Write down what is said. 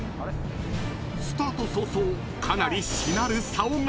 ［スタート早々かなりしなるさおが］